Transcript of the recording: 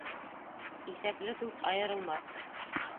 Иҫәпле дуҫ айырылмаҫ.